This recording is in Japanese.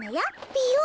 ぴよ？